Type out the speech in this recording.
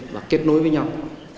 và kết nối với nhau